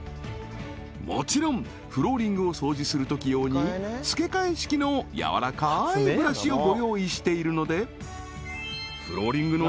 もちろんフローリングを掃除するとき用に付け替え式の柔らかいブラシをご用意しているのでフローリングの